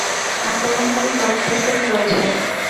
আক্রমণকারী দল প্রস্তুত রয়েছে।